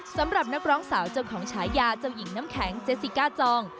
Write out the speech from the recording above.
สำหรับนักร้องสาวเจ้าของฉายาเจ้าหญิงน้ำแข็งเจสสิก้าจอง